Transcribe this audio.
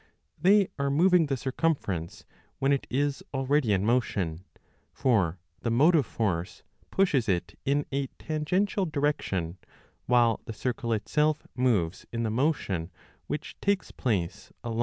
They are moving the circumference when it is already in motion ; for the motive force pushes it in a tangential direction, while the circle itself moves in the motion which takes place along the diameter.